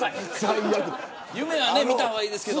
夢はね、見た方がいいですけど。